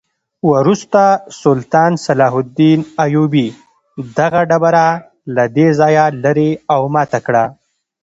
وروسته سلطان صلاح الدین ایوبي دغه ډبره له دې ځایه لرې او ماته کړه.